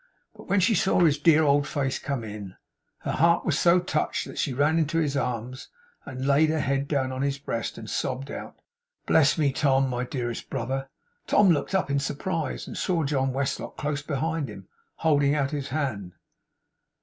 But when she saw his dear old face come in, her heart was so touched that she ran into his arms, and laid her head down on his breast and sobbed out, 'Bless me, Tom! My dearest brother!' Tom looked up, in surprise, and saw John Westlock close beside him, holding out his hand.